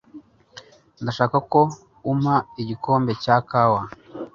Ndashaka ko umpa igikombe cya kawa.